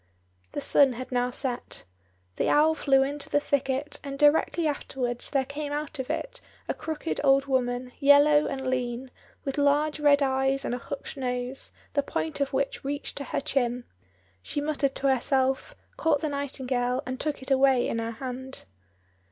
The sun had now set. The owl flew into the thicket, and directly afterwards there came out of it a crooked old woman, yellow and lean, with large red eyes and a hooked nose, the point of which reached to her chin. She muttered to herself, caught the nightingale, and took it away in her hand.